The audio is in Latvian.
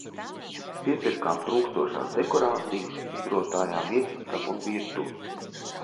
Piepirkām trūkstošās dekorācijas, izrotājām viesistabu un virtuvi.